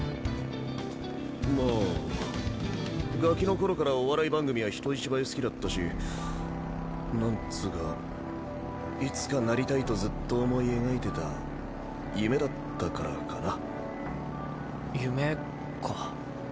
まあガキの頃からお笑い番組は人一倍好きだったしなんつぅかいつかなりたいとずっと思い描いてた夢だったからかな。